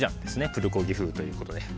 プルコギ風ということで。